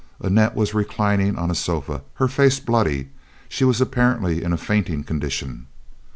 Annette was reclining on a sofa, her face bloody; she was apparently in a fainting condition.